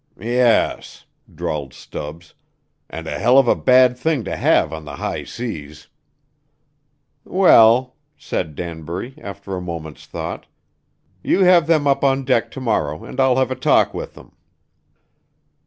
"Yes," drawled Stubbs, "an' a hell of a bad thing to have on the high seas." "Well," said Danbury, after a moment's thought, "you have them up on deck to morrow and I'll have a talk with them."